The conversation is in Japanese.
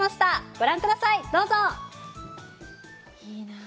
ご覧ください、どうぞ。